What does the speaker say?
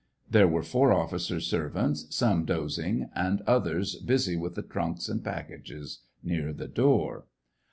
There were four officers' servants, some dozing and others busy with the trunks and packages near the door.